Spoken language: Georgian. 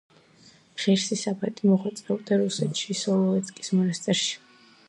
ღირსი საბატი მოღვაწეობდა რუსეთში, სოლოვეცკის მონასტერში.